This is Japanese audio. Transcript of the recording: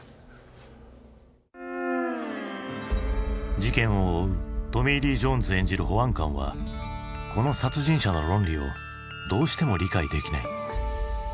事件を追うトミー・リー・ジョーンズ演じる保安官はこの殺人者の論理をどうしても理解できない。